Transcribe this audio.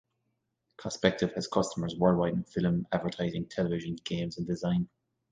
Cospective has customers worldwide in film, advertising, television, games and design.